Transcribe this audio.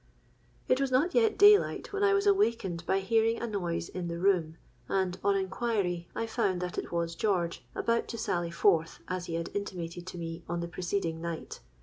"It was not yet day light when I was awakened by hearing a noise in the room; and on inquiry, I found that it was George, about to sally forth, as he had intimated to me on the preceding night.